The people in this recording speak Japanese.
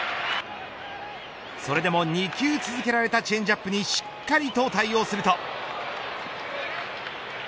それでも２球続けられたチェンジアップにしっかりと対応すると。